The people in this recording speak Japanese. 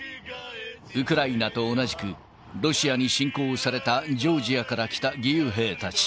ウクライナと同じく、ロシアに侵攻されたジョージアから来た義勇兵たち。